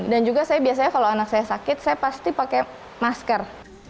dan juga saya biasanya kalau anak saya sakit saya pasti pakai masker